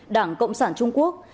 đảng cộng sản trung quốc